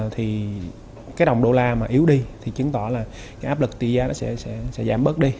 thì cái đồng đô la mà yếu đi thì chứng tỏ là cái áp lực tỷ giá nó sẽ giảm bớt đi